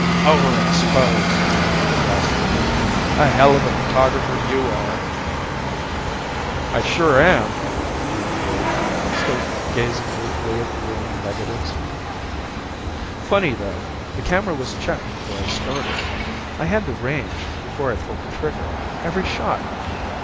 "Over exposed!" rasped Overton. "A hell of a photographer you are!" "I sure am!" Jim agreed, still gazing ruefully at the ruined negatives. "Funny, though. The camera was checked before I started. I had the range before I pulled the trigger, every shot."